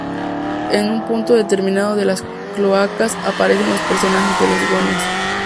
En un punto determinado de las cloacas, aparecen los personajes de "Los Goonies".